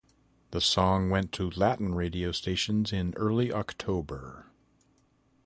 The song went to Latin radio stations in early October.